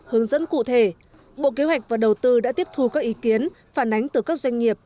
hướng dẫn cụ thể bộ kế hoạch và đầu tư đã tiếp thu các ý kiến phản ánh từ các doanh nghiệp